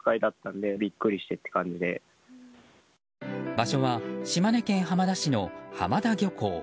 場所は島根県浜田市の浜田漁港。